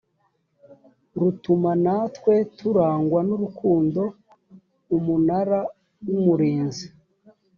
rutuma natwe turangwa n urukundo umunara w umurinzi